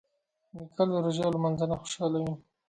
نیکه له روژې او لمانځه نه خوشحاله وي.